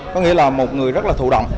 có nghĩa là một người rất là thụ động